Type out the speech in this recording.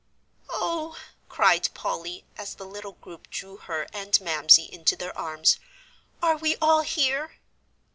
"Oh," cried Polly, as the little group drew her and Mamsie into their arms, "are we all here?"